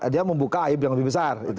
dia membuka aib yang lebih besar